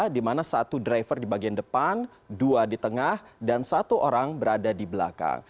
di mana satu driver di bagian depan dua di tengah dan satu orang berada di belakang